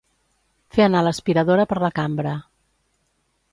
Fer anar l'aspiradora per la cambra.